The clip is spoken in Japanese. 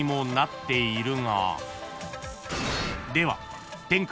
では］